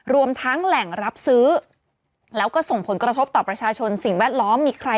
รวมทั้งแหล่งรับซื้อแล้วก็ส่งผลกระทบต่อประชาชนสิ่งแวดล้อมมีใคร